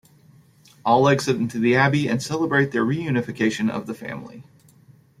All exit into the abbey to celebrate the reunification of the family.